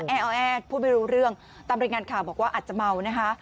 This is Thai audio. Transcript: แอดพูดไม่รู้เรื่องตามรายงานข่าวบอกว่าอาจจะเมานะคะ